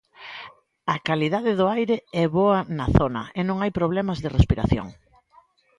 A calidade do aire é boa na zona e non hai problemas de respiración.